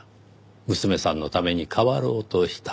娘さんのために変わろうとした。